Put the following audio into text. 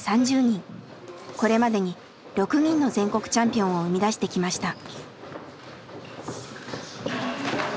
これまでに６人の全国チャンピオンを生み出してきました。